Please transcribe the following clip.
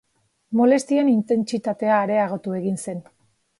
Molestien intentsitatea areagotu egin zen.